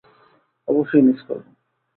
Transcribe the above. অবশ্যই মিস করবো।